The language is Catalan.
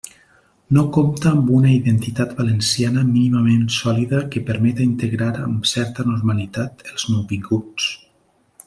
No compta amb una identitat valenciana mínimament sòlida que permeta integrar amb certa normalitat els nouvinguts.